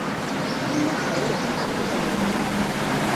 乜屋企有啲噉嘅嘢㗎咩？